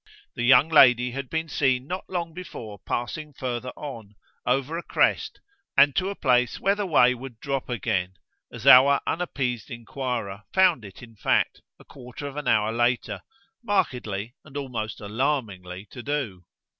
The young lady had been seen not long before passing further on, over a crest and to a place where the way would drop again, as our unappeased enquirer found it in fact, a quarter of an hour later, markedly and almost alarmingly to do.